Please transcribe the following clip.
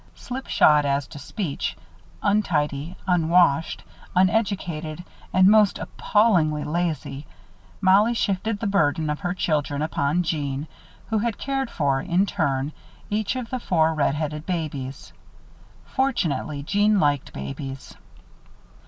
Slipshod as to speech, untidy, unwashed, uneducated, and most appallingly lazy, Mollie shifted the burden of her children upon Jeanne, who had cared for, in turn, each of the four red headed babies. Fortunately, Jeanne liked babies.